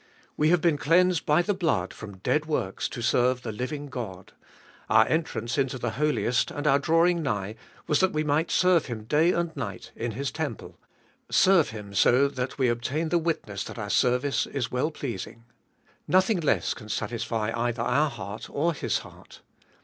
We have been cleansed by the blood from dead works to serve the living God. Our entrance into the Holiest and our drawing nigh was that we might serve Him day and night in His temple — serve Him so that we obtain the witness that our service is well pleasing. Nothing less can satisfy either our heart or His heart.